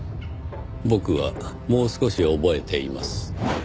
僕はもう少し覚えています。